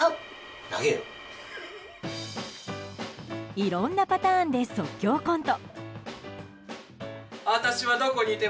いろんなパターンで即興コント。